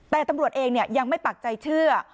แต่ตำรวจเองยังไม่ปักใจเชื่อ